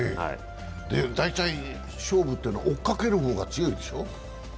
大体勝負っていうのは追いかける方が強いでしょ？